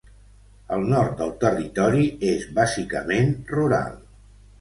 El nord del territori és bàsicament rural.